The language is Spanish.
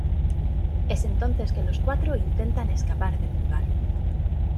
Es entonces que los cuatro intentan escapar del lugar.